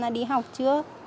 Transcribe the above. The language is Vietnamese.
đi học trước